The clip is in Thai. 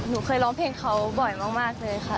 หนูเคยร้องเพลงเขาบ่อยมากเลยค่ะ